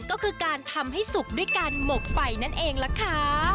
ก็คือการทำให้สุกด้วยการหมกไฟนั่นเองล่ะค่ะ